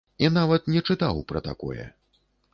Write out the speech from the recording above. І нават не чытаў пра такое.